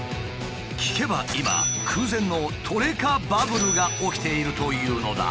聞けば今空前のトレカバブルが起きているというのだ。